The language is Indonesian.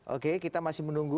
oke kita masih menunggu